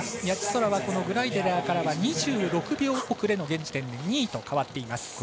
谷地宙はグライデラーから２６秒遅れの現時点で２位と変わっています。